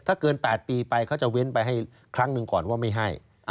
ถ้าเกิน๘ปีไปเขาจะเว้นไปให้ครั้งหนึ่งก่อนว่าไม่ให้